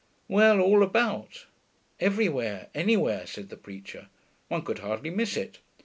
Well, all about; everywhere, anywhere, said the preacher; one could hardly miss it.